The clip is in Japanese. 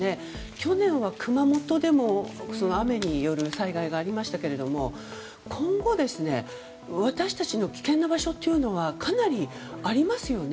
去年は熊本でも雨による災害がありましたが今後私たちの危険な場所というのはかなりありますよね。